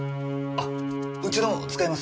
あっうちの使います？